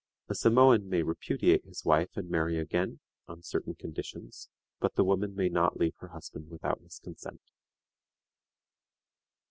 A Samoan may repudiate his wife and marry again on certain conditions, but the woman may not leave her husband without his consent.